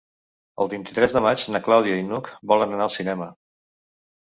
El vint-i-tres de maig na Clàudia i n'Hug volen anar al cinema.